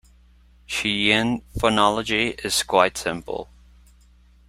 Cheyenne phonology is quite simple.